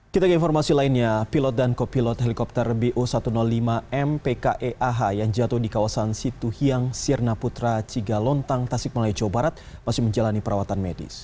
kita ke informasi lainnya pilot dan kopilot helikopter bo satu ratus lima m pke ah yang jatuh di kawasan situhiang sirna putra cigalontang tasik malaya jawa barat masih menjalani perawatan medis